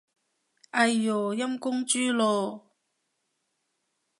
哎唷，陰公豬咯